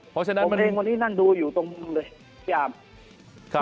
ผมเองวันนี้นั่งดูอยู่ตรงมุมเลยพี่อำ